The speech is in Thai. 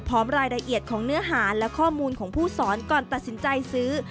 พร้อมรายละเอียดของเนื้อหาและข้อมูลของผู้สอนก่อนตัดสินใจซื้อ